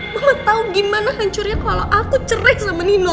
mama tau gimana hancurnya kalau aku cerai sama nino